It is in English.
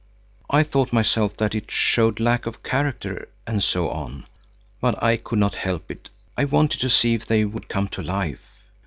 I thought myself that it showed lack of character and so on, but I could not help it. I wanted to see if they would come to life.